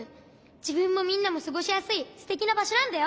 じぶんもみんなもすごしやすいすてきなばしょなんだよ。